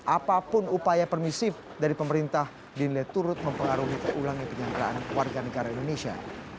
apapun upaya permisif dari pemerintah dinilai turut mempengaruhi terulangnya penyanderaan warga negara indonesia